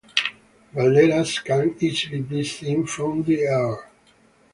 The calderas can easily be seen from the air.